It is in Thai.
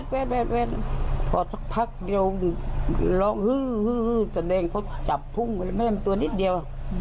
พอสักพักเดียวร้องฮือแสดงเขาจับพุ่งไปแล้วแม่มตัวนิดเดียว